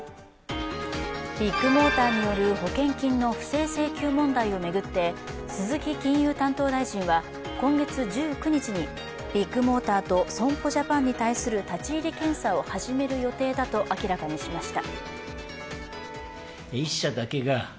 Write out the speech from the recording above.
ビッグモーターによる保険金の不正請求問題を巡って鈴木金融担当大臣は今月１９日にビッグモーターと損保ジャパンに対する立入検査を始める予定だと明らかにしました。